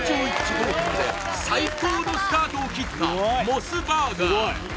合格で最高のスタートを切ったモスバーガー